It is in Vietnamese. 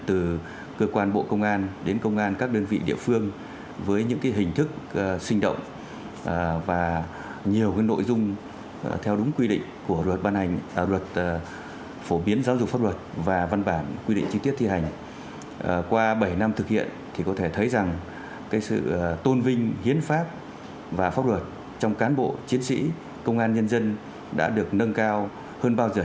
trang thông tin đại chúng trang thông tin điện tử phổ biến giáo dục pháp luật thông qua các phương tiện thông tin đại chúng